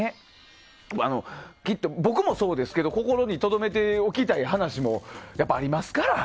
僕もそうですけど心にとどめておきたい話もやっぱり、ありますから。